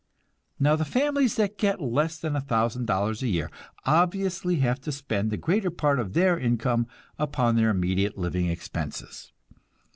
Now the families that get less than a thousand dollars a year obviously have to spend the greater part of their income upon their immediate living expenses.